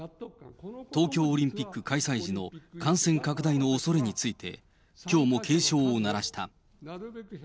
東京オリンピック開催時の感染拡大のおそれについて、きょうも警鐘を鳴らした。